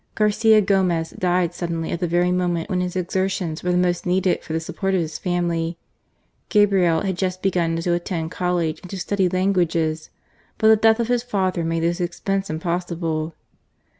Garcia Gomez died suddenly at the very moment when his exertions were the most needed for the support of his family. Gabriel had just begun to attend college and to study languages; but the death of his father made this expense impossible.